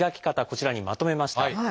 こちらにまとめました。